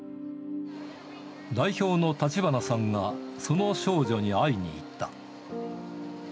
代表の橘さんが、その少女に会いに行った。